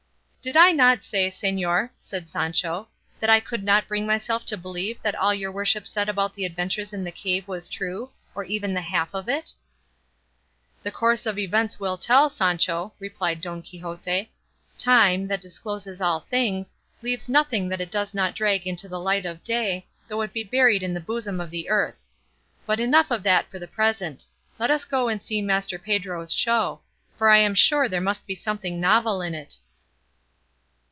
"Did I not say, señor," said Sancho, "that I could not bring myself to believe that all your worship said about the adventures in the cave was true, or even the half of it?" "The course of events will tell, Sancho," replied Don Quixote; "time, that discloses all things, leaves nothing that it does not drag into the light of day, though it be buried in the bosom of the earth. But enough of that for the present; let us go and see Master Pedro's show, for I am sure there must be something novel in it."